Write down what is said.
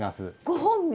ご本名？